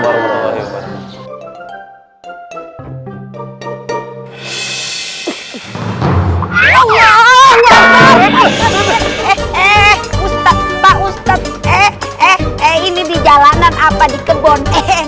pak ustadz eh eh eh ini di jalanan apa di kebun